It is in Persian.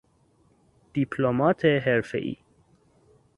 دیپلمات حرفهای